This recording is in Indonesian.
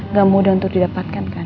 nggak mudah untuk didapatkan kan